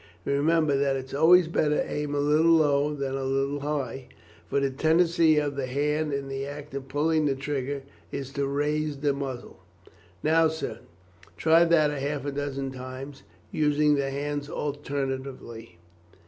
Remember that it's always better to aim a little low than a little high, for the tendency of the hand in the act of pulling the trigger is to raise the muzzle. Now, sir, try that half a dozen times, using the hands alternately.